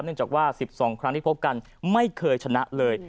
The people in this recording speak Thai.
จากว่า๑๒ครั้งที่พบกันไม่เคยชนะเลย